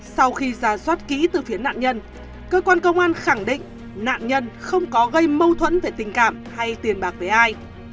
sau khi ra soát kỹ từ phía nạn nhân cơ quan công an khẳng định nạn nhân không có gây mâu thuẫn về tình cảm hay tiền bạc với ai